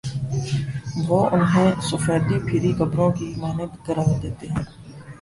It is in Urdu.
وہ انہیں سفیدی پھری قبروں کی مانند قرار دیتے ہیں۔